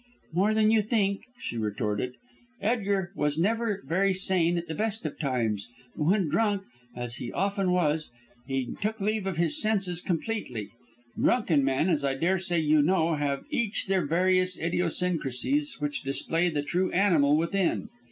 "More than you think," she retorted. "Edgar was never very sane at the best of times; but when drunk, as he often was, he took leave of his senses completely. Drunken men, as I daresay you know, have each their various idiosyncrasies which display the true animal within.